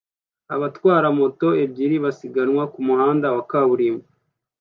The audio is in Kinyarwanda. Abatwara moto ebyiri basiganwa kumuhanda wa kaburimbo